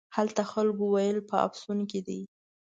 هلته خلکو ویل په افسون کې دی.